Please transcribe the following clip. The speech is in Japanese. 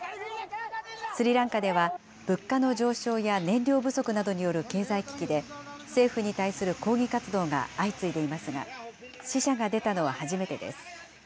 スリランカでは、物価の上昇や燃料不足などによる経済危機で、政府に対する抗議活動が相次いでいますが、死者が出たのは初めてです。